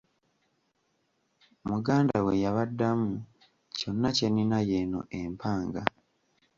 Mugandawe yabaddamu, kyonna kye nina y'eno empanga .